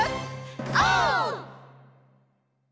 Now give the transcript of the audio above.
オー！